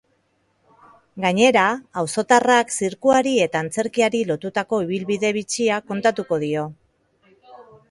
Gainera, auzotarrak zirkuari eta antzerkiari lotutako ibilbide bitxia kontatuko dio.